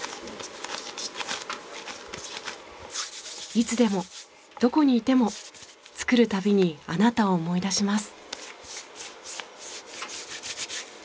いつでもどこにいても作る度にあなたを思い出します。